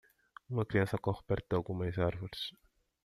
Uma criança corre perto de algumas árvores.